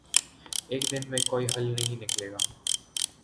ایک دن میں کوئی حل نہیں نکلے گا۔